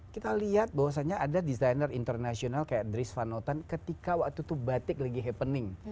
kita lihat bahwasanya ada desainer internasional kayak dries van noten ketika waktu itu batik lagi happening